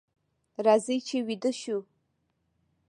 راځئ چې ویده شو.